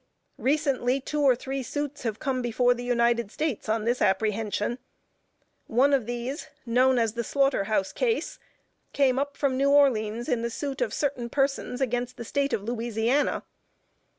Recently, two or three suits have come before the United States on this apprehension. One of these, known as the Slaughter House Case, came up from New Orleans in the suit of certain persons against the State of Louisiana.